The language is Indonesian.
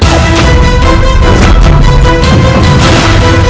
aku meminta satu hal